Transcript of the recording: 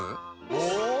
お！